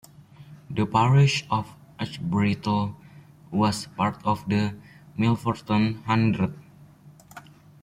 The parish of Ashbrittle was part of the Milverton Hundred.